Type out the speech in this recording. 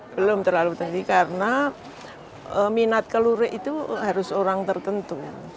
belum terlalu tadi karena minat ke lurik itu harus orang tertentu